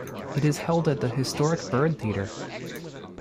It is held at the historic Byrd Theatre.